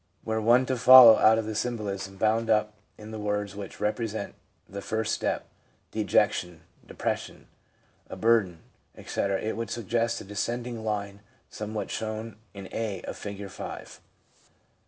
Were one to follow out the symbolism bound up in the words which represent the first step, ' de jection/ ' de pression/ 'a burden/ etc., it would suggest a descending line some what as shown in a of Figure 5.